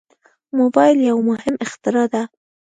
موبایل یو مهم اختراع ده.